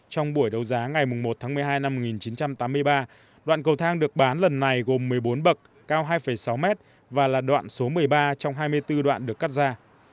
trong buổi đấu giá ngày một tháng một mươi hai năm một nghìn chín trăm tám mươi ba đoạn cầu thang được bán lần này gồm một mươi bốn bậc cao hai sáu mét và là đoạn số một mươi ba trong hai mươi bốn đoạn được cắt ra